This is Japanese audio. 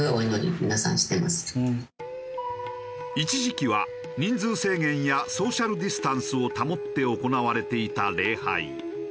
一時期は人数制限やソーシャルディスタンスを保って行われていた礼拝。